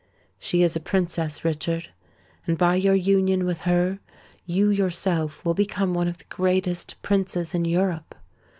She is a Princess, Richard; and by your union with her, you yourself will become one of the greatest Princes in Europe!